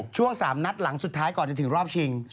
ช่วง๓นัดหลังสุดท้ายก่อนจะถึงรอบชิง